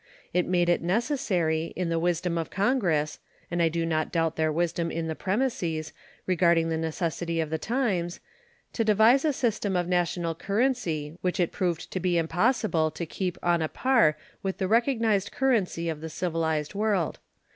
It made it necessary, in the wisdom of Congress and I do not doubt their wisdom in the premises, regarding the necessity of the times to devise a system of national currency which it proved to be impossible to keep on a par with the recognized currency of the civilized world.